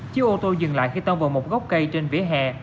chiếc ô tô dừng lại khi tông vào một gốc cây trên vỉa hè